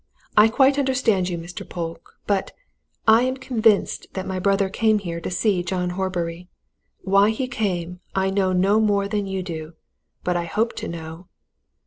"I quite understand you, Mr. Polke. But I am convinced that my brother came here to see John Horbury. Why he came, I know no more than you do but I hope to know!"